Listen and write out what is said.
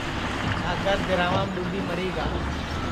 ساگر دِرھاوام ڈُؔوٻی مری گا